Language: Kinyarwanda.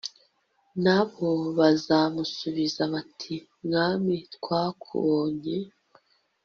na bo bazamusubiza bati “mwami twakubonye